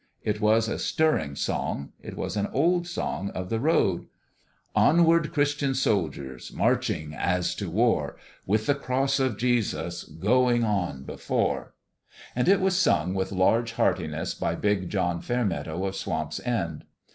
It was a stirring song. It was an old song of the road, " Onward Christian soldiers, Marching as to war, With the cross of Jesus, Going on before " and it was sung with large heartiness by big BOUND THROUGH 279 John Fairmeadow of Swamp's End.